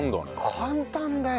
簡単だよ。